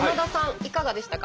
いかがでしたか？